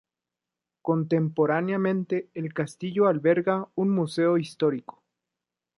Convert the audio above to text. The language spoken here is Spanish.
Contemporáneamente el castillo alberga un museo histórico.